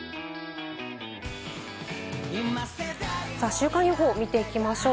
週間予報、見ていきましょう。